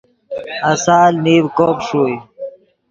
آسال نیڤ کوب ݰوئے